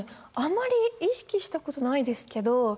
あまり意識した事ないですけど